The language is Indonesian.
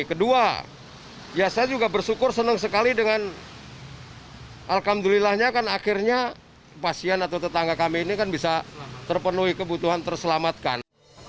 kedua ya saya juga bersyukur senang sekali dengan alhamdulillahnya kan akhirnya pasien atau tetangga kami ini kan bisa terpenuhi kebutuhan terselamatkan